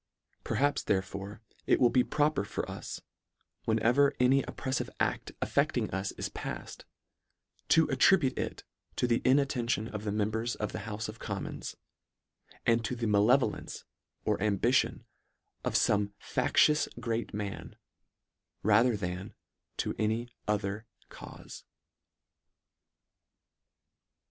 Perhaps therefore it will be proper for us, whenever any oppref five acl affecting us is part, to attribute it to the inattention of the members of the houfe of commons, and to the malevolence or ambition of fome factious great man, rather than to any other caufe.